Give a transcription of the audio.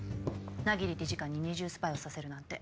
百鬼理事官に二重スパイをさせるなんて。